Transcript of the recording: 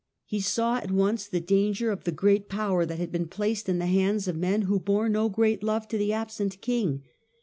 He saw at once the danger of the great power that had been placed in the hands of men who bore no great love to the absent king.